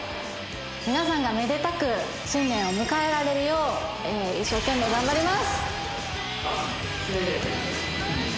皆さんがめでたく新年を迎えられるよう、一生懸命頑張ります。